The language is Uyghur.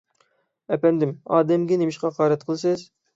ئەپەندىم، ئادەمگە نېمىشقا ھاقارەت قىلىسىز؟